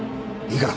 いいから。